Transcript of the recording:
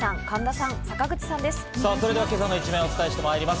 さあ、それでは今朝の一面をお伝えしてまいります。